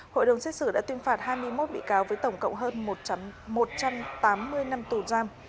hội đồng xét xử đã tuyên phạt hai mươi một bị cáo với tổng cộng hơn một trăm tám mươi năm tù giam